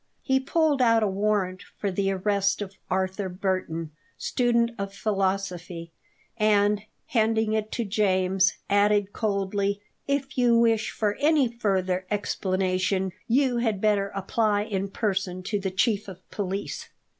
He pulled out a warrant for the arrest of Arthur Burton, student of philosophy, and, handing it to James, added coldly: "If you wish for any further explanation, you had better apply in person to the chief of police."